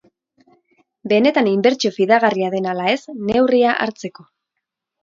Benetan inbertsio fidagarria den ala ez, neurria hartzeko.